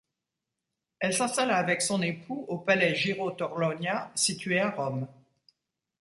Elle s'installa avec son époux au palais Giraud-Torlonia situé à Rome.